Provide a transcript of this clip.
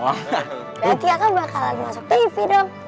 latihan kan bakalan masuk tv dong